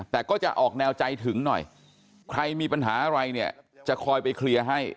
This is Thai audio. แต่ก็จะออกแนวใจถึงหน่อยใครมีปัญหาอะไรเนี่ยจะคอยไปเคลียร์ให้